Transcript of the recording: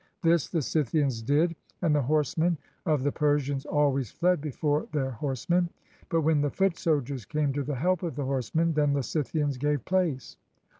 This the Scythians did; and the horsemen of the Persians always fled before their horsemen; but when the foot soldiers came to the help of the horsemen, then the Scythians gave place.